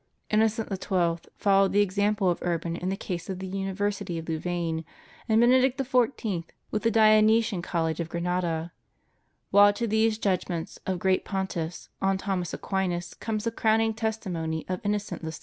^ Inno cent XII. ^ followed the example of Urban in the case of the University of Louvain, and Benedict XIV.' with the Dionysian College of Granada; while to these judgments of great Pontiffs on Thomas Aquinas comes the crowning testimony of Innocent VI.